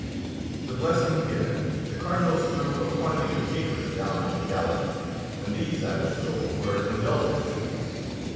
] The blessing given, the Cardinals threw a quantity of papers down from the gallery, and these, I was told, were indulgences.